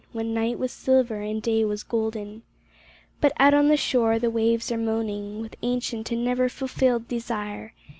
When night was silver and day was golden; But out on the shore the waves are moaning With ancient and never fulfilled desire.